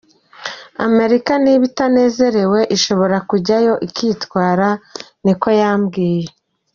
"Amerika niba itanezerewe, irashobora kujayo ikitwara," niko yambwiye.